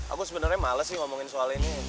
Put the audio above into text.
aku sebenarnya males sih ngomongin soal ini